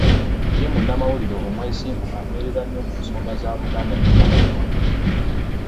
Ye munnamawulire omwesimbu eyanywerera ennyo ku nsonga za Buganda ne Namulondo.